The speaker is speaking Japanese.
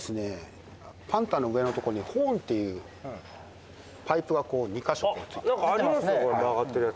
パンタの上のとこにホーンっていうパイプがこう２か所くっついてる。